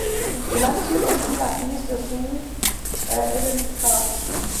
Il assure aussi la prise de son et le mixage.